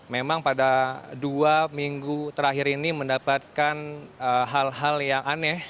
memang pada dua minggu terakhir ini mendapatkan hal hal yang aneh